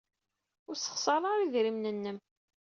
Ur ssexṣar ara idrimen-nnem.